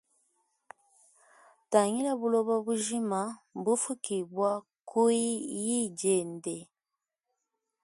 Tangilayi buloba bujima mbufukibwa kui yi diende.